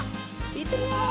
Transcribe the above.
いってみよう！